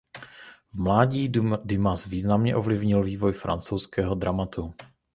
V mládí Dumas významně ovlivnil vývoj francouzského dramatu.